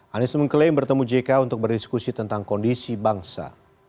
anies mengklaim bertemu jk untuk berdiskusi tentang kondisi bangsa